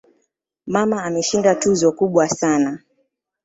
Mama ameshinda tuzo kubwa sana